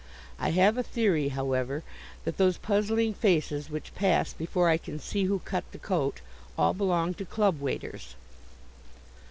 I have a theory, however, that those puzzling faces, which pass before I can see who cut the coat, all belong to club waiters.